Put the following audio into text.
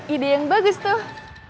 ide yang bagus tuh